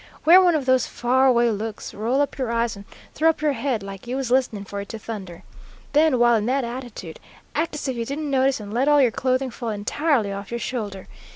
Wear one of those far away looks, roll up your eyes, and throw up your head like you was listening for it to thunder. Then while in that attitude, act as if you didn't notice and let all your clothing fall entirely off your shoulder.